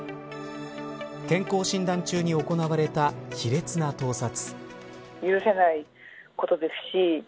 健康診断中に行われた卑劣な盗撮。